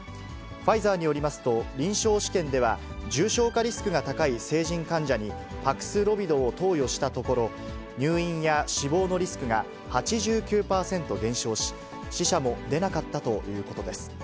ファイザーによりますと、臨床試験では重症化リスクが高い成人患者に、パクスロビドを投与したところ、入院や死亡のリスクが８９％減少し、死者も出なかったということです。